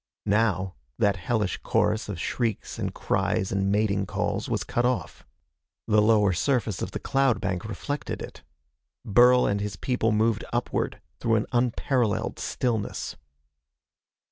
Now, that hellish chorus of shrieks and cries and mating calls was cut off. The lower surface of the cloud bank reflected it. Burl and his people moved upward through an unparalleled stillness.